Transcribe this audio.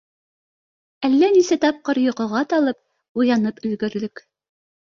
Әллә нисә тапҡыр йоҡоға талып, уянып өлгөрҙөк.